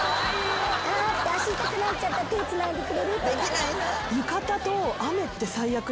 足痛くなっちゃった手つないでくれる？とか。